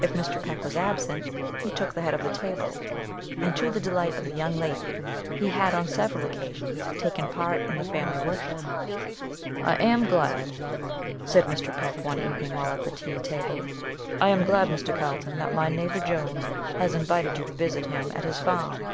If Mr. Peck was absent, he took the head of the table; and, to the delight of the young lady, he had on several occasions taken part in the family worship. "I am glad," said Mr. Peck, one evening while at the tea table, "I am glad, Mr. Carlton, that my neighbour Jones has invited you to visit him at his farm.